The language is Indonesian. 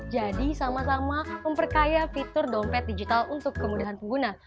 jadi sama sama memperkaya fitur dompet digital untuk kemudahan pengguna